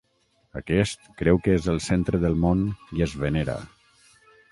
Aquest creu que és el centre del món i es venera.